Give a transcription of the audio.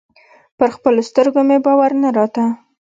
پر خپلو سترګو مې باور نه راته.